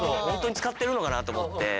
本当に使ってるのかなと思って。